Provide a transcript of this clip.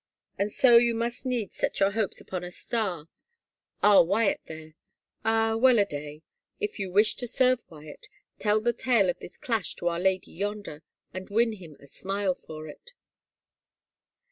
... And so you must needs set your hopes upon a star — our Wyatt there. Ah, well a dayl If you wish to serve Wyatt, tell the tale of this clash to our lady yonder and win him a smile for it."